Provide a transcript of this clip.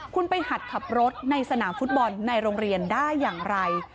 คุณไปหัดขับรถในสนามฟุตบอลในโรงเรียนได้อย่างไร